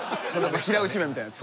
平打ち麺みたいなやつ。